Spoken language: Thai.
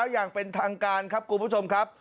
อย่างเป็นทางการครับคุณผู้ชมครับ